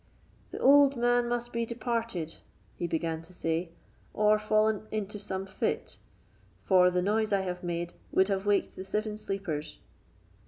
"The old man must be departed," he began to say, "or fallen into some fit; for the noise I have made would have waked the seven sleepers."